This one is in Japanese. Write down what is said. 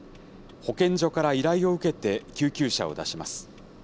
保健所から依頼を受けて、救急車を出します。